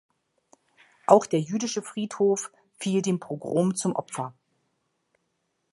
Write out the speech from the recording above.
Auch der jüdische Friedhof fiel dem Pogrom zum Opfer.